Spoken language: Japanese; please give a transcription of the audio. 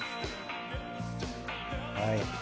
はい。